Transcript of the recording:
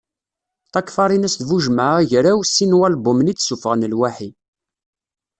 Takfarinas d Buǧemɛa Agraw sin n walbumen i d-ssufɣen lwaḥi.